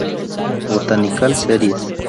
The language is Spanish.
Botanical series.